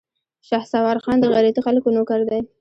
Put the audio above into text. شهسوار خان د غيرتي خلکو نوکر دی.